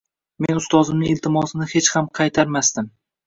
Men ustozimning iltimosini hech ham qaytarmasdim.